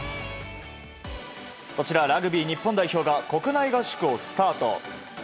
こちら、ラグビー日本代表が国内合宿をスタート。